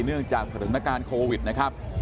เนื่องจากสถิตย์มนตราการโควิดนะครับ